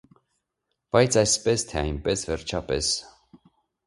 Բայց - այսպես, թե այնպես, վերջապես: